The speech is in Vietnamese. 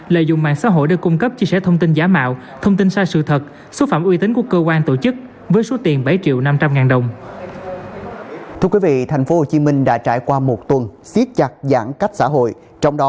lợi dụng mạng xã hội để cung cấp chia sẻ thông tin giá mạo thông tin sai sự thật xúc phạm uy tín của cơ quan tổ chức với số tiền bảy triệu năm trăm linh ngàn đồng